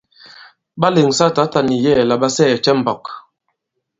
Ɓa lèŋsa tǎta nì yɛ̌ɛ̀ la ɓa sɛɛ̀ cɛ i mbɔ̄k?